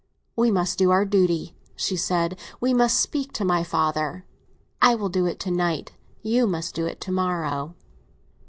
"We must do our duty," she said; "we must speak to my father. I will do it to night; you must do it to morrow."